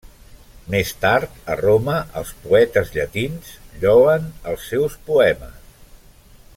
Més tard, a Roma, els poetes llatins lloen els seus poemes.